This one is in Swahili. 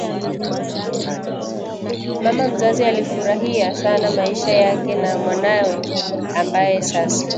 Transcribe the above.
Mama mzazi alifurahia sana maisha yake na mwanawe ambaye sasa